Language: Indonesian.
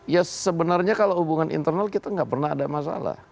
ya sebenarnya kalau hubungan internal kita nggak pernah ada masalah